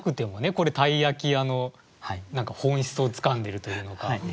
これ鯛焼屋の本質をつかんでるというのか。